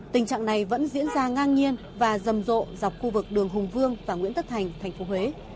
tình trạng này vẫn diễn ra ngang nhiên và rầm rộ dọc khu vực đường hùng vương và nguyễn tất thành thành phố huế